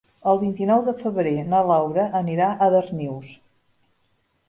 El vint-i-nou de febrer na Laura anirà a Darnius.